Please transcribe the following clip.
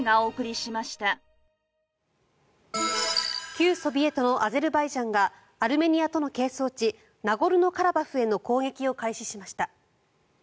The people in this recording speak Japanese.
旧ソビエトのアゼルバイジャンがアルメニアとの係争地ナゴルノカラバフへの攻撃を開始しました。